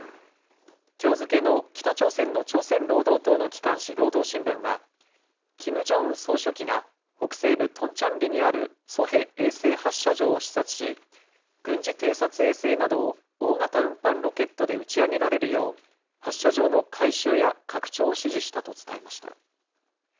きょう付けの北朝鮮の朝鮮労働党の機関紙、労働新聞は、キム・ジョンウン総書記が、北西部トンチャンリにあるソヘ衛星発射場を視察し、軍事偵察衛星などを大型運搬ロケットで打ち上げられるよう、発射場の改修や拡張を指示したと伝えました。